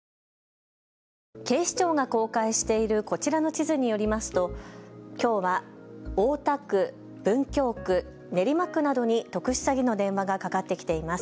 警視庁が公開しているこちらの地図によりますときょうは大田区、文京区、練馬区などに特殊詐欺の電話がかかってきています。